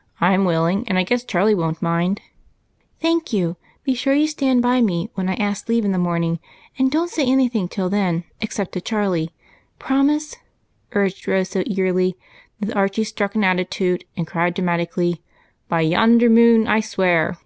" I 'm willing, and I guess Charlie won't mind." " Thank you ; be sure you stand by me when I ask leave in the morning, and don't «ay any thing till then, except to Charlie. Promise," urged Rose, so eagerly that Archie struck an attitude, and cried dramati cally, —" By yonder moon I swear